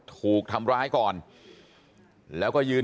บอกแล้วบอกแล้วบอกแล้วบอกแล้ว